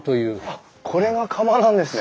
あっこれが釜なんですね。